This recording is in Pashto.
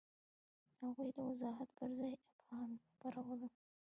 هغوی د وضاحت پر ځای ابهام خپرولو.